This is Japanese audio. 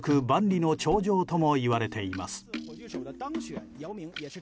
万里の長城ともいわれています。